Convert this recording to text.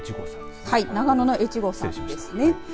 長野の越後さんですね。